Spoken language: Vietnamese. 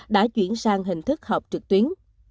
đã chuyển sang hình thức học trực tuyến